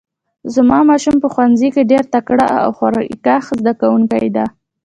زما ماشوم په ښوونځي کې ډیر تکړه او خواریکښ زده کوونکی ده